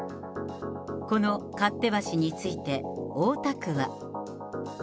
この勝手橋について、大田区は。